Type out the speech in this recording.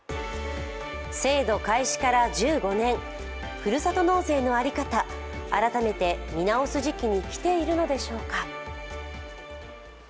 ふるさと納税の在り方、改めて見直す時期に来ているのでしょうか。